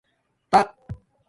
تَق